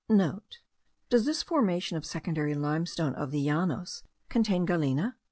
*(* Does this formation of secondary limestone of the Llanos contain galena?